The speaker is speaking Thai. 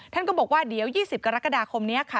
ท่านก็บอกว่าเดี๋ยว๒๐กรกฎาคมนี้ค่ะ